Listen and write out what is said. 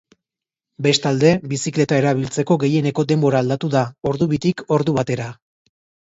Bestalde, bizikleta erabiltzeko gehieneko denbora aldatu da, ordu bitik ordu batera.